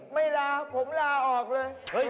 ไม่ลาผมลาออกเลย